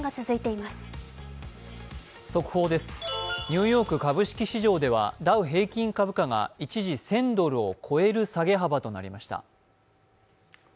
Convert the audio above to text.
ニューヨーク株式市場ではダウ平均株価が一時１０００ドルを超える下げ幅となりました。